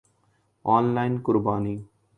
on line قربانی